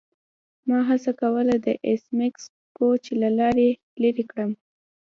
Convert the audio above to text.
ما هڅه کوله د ایس میکس کوچ له لارې لیرې کړم